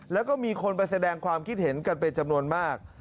แล้วก็มีคนไปแสดงความคิดเห็นกันเป็นจำนวนมาก